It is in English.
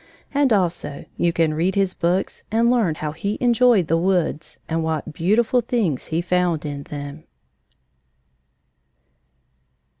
And also you can read his books and learn how he enjoyed the woods and what beautiful things he found in them.